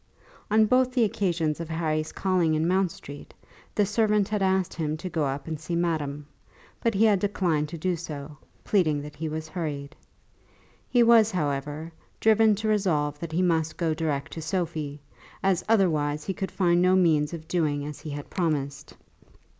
On both the occasions of Harry's calling in Mount Street, the servant had asked him to go up and see madame; but he had declined to do so, pleading that he was hurried. He was, however, driven to resolve that he must go direct to Sophie, as otherwise he could find no means of doing as he had promised.